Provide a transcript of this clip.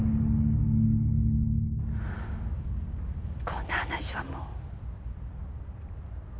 こんな話はもう。